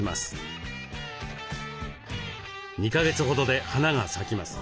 ２か月ほどで花が咲きます。